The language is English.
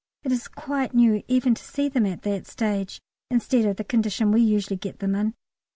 It is quite new even to see them at that stage, instead of the condition we usually get them in.